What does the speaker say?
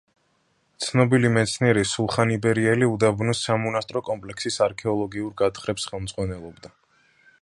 ცნობილ მეცნიერი სულხან იბერიელი უდაბნოს სამონასტრო კომპლექსის არქეოლოგიური გათხრების ხელმძღვანელია.